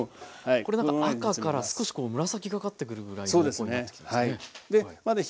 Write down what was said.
これなんか赤から少し紫がかってくるぐらい濃厚になってきてますね。